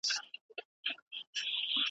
او لا تر اوسه له پېړیو له سدیو وروسته `